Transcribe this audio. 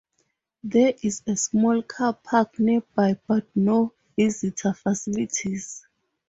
There is a small car park nearby but no visitor facilities.